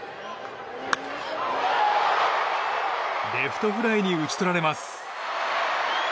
レフトフライに打ち取られます。